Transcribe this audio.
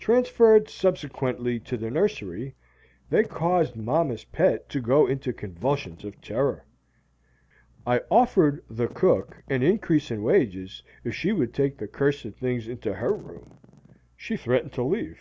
Transferred subsequently to the nursery, they caused Mamma's Pet to go into convulsions of terror. I offered the cook an increase in wages if she would take the cursed things into her room; she threatened to leave.